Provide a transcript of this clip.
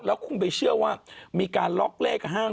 แล้วคุณไปเชื่อว่ามีการล็อกเลข๕๖